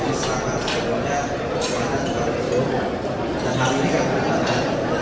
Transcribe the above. semua tentang hal yang berkaitan dengan ketua umum partai golkar